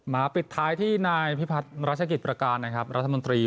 มาปิดท้ายที่นายพิพัฒน์ราชกิจประการรัฐมนตรี